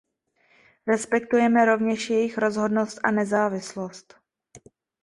Respektujeme rovněž jejich rozhodnost a nezávislost.